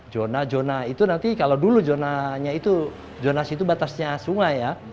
jona jona itu nanti kalau dulu zonanya itu batasnya sungai ya